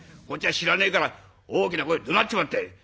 こっちは知らねえから大きな声でどなっちまったい！